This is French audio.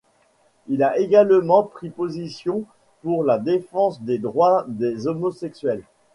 Il a également pris position pour la défense des droits des homosexuels.